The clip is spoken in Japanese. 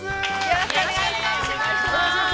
◆よろしくお願いします。